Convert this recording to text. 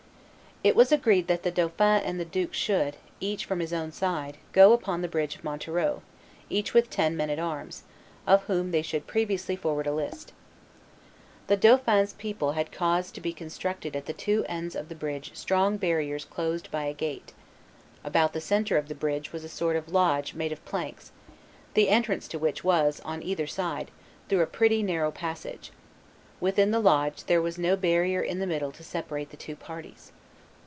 It was agreed that the dauphin and the duke should, each from his own side, go upon the bridge of Montereau, each with ten men at arms, of whom they should previously forward a list. The dauphin's people had caused to be constructed at the two ends of the bridge strong barriers closed by a gate; about the centre of the bridge was a sort of lodge made of planks, the entrance to which was, on either side, through a pretty narrow passage; within the lodge there was no barrier in the middle to separate the two parties.